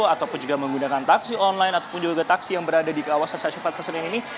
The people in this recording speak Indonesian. ataupun juga menggunakan taksi online ataupun juga taksi yang berada di kawasan stasiun pasar senen ini